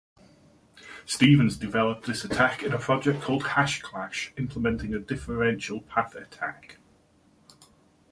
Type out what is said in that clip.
Stevens developed this attack in a project called HashClash, implementing a differential path attack.